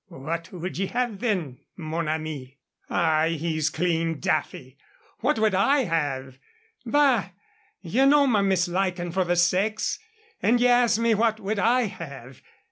"What would ye have then, mon ami?" "Ah, he's clean daffy! What would I have? Bah! ye know my misliking for the sex, and ye ask me what would I have?